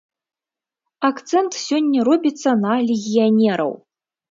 Акцэнт сёння робіцца на легіянераў.